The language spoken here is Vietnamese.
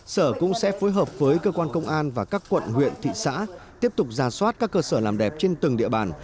sở cũng sẽ phối hợp với cơ quan công an và các quận huyện thị xã tiếp tục ra soát các cơ sở làm đẹp trên từng địa bàn